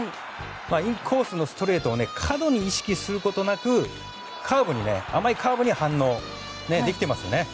インコースのストレートを過度に意識することなく甘いカーブに反応できていますよね。